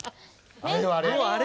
あれよあれ。